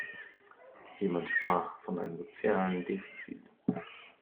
Jemand sprach von einem sozialen Defizit.